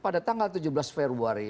pada tanggal tujuh belas februari